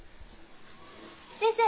先生。